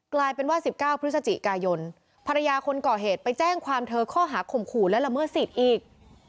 กลายเป็นว่า๑๙พฤศจิกายนภรรยาคนก่อเหตุไปแจ้งความเธอข้อหาข่มขู่และละเมิดสิทธิ์อีก